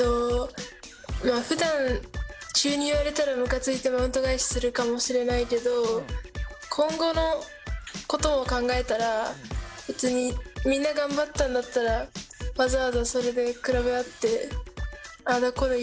ふだん急に言われたらむかついてマウント返しするかもしれないけど今後のことを考えたら別にみんな頑張ったんだったらわざわざそれで比べ合ってああだこうだ